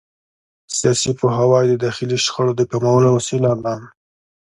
سیاسي پوهاوی د داخلي شخړو د کمولو وسیله ده